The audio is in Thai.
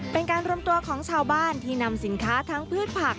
เป็นการรวมตัวของชาวบ้านที่นำสินค้าทั้งพืชผัก